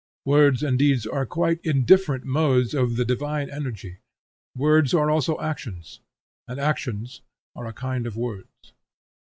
Words and deeds are quite indifferent modes of the divine energy. Words are also actions, and actions are a kind of words.